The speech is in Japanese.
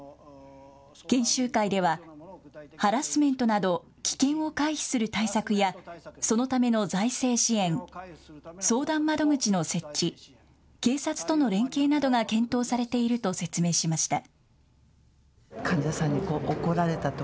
研修会ではハラスメントなど危険を回避する対策やそのための財政支援、相談窓口の設置、警察との連携などが検討されていると説明しました。